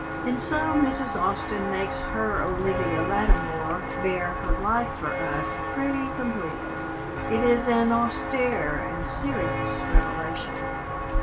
And so Mrs. Austin makes her Olivia Lattimore bare her life for us pretty completely. It is an austere and serious revelation.